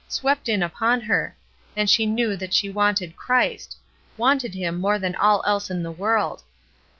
." swept in upon her, and she knew that she wanted Christ— wanted Him more than all else in the world.